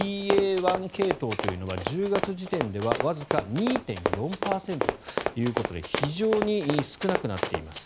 １系統というのは１０月時点ではわずか２．４％ということで非常に少なくなっています。